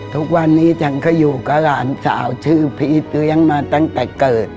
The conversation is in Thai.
ทุกวันนี้ฉันก็อยู่กับหลานสาวชื่อพีชเลี้ยงมาตั้งแต่เกิด